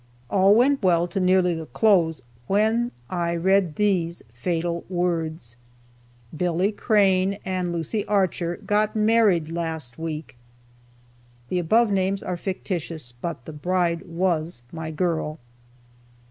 All went well to nearly the close, when I read these fatal words: "Billy Crane and Lucy Archer got married last week." The above names are fictitious, but the bride was my girl.